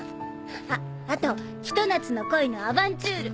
ああとひと夏の恋のアバンチュール！